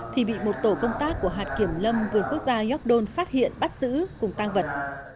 thì bị một tổ công tác của hạt kiểm lâm vườn quốc gia york don phát hiện bắt giữ cùng tăng vật